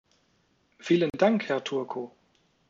Vielen Dank, Herr Turco.